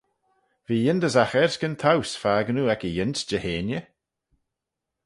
V'eh yindyssagh er-skyn towse fakin oo ec y yiense Jeheiney.